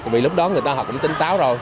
vì lúc đó người ta họ cũng tinh táo rồi